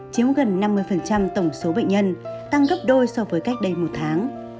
chiếm gần năm mươi tổng số bệnh nhân tăng gấp đôi so với cách đây một tháng